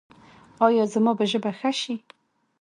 ایا زما ژبه به ښه شي؟